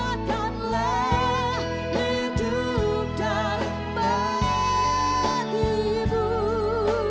serahkan duka gembiramu agar demam senantiasa hatimu